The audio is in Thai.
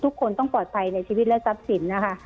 ทุกคนต้องปลอดภัยในชีวิตและทรัพย์สินนะคะ